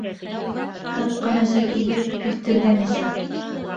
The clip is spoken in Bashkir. Тапҡан әсә түгел, үҫтергән әсә.